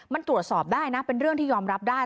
มันตรวจสอบได้นะเป็นเรื่องที่ยอมรับได้